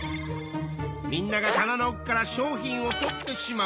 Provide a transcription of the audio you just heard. みんなが棚の奥から商品を取ってしまうと。